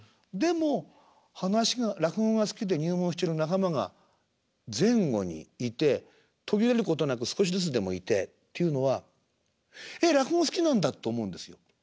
でも噺が落語が好きで入門してる仲間が前後にいて途切れることなく少しずつでもいてっていうのはえっ落語好きなんだって思うんですよ。